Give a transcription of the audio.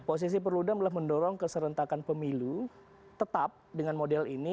posisi perludam adalah mendorong keserentakan pemilu tetap dengan model ini